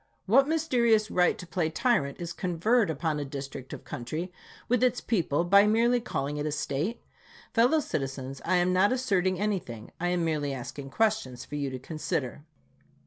What mysterious right to play tyrant is conferred on a district of country, with its people, by merely calling it a State? Fellow citizens, I am not asserting anything; I am merely asking questions for you to consider.